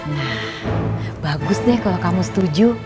nah bagus deh kalau kamu setuju